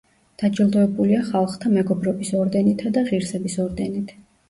დაჯილდოებულია ხალხთა მეგობრობის ორდენითა და ღირსების ორდენით.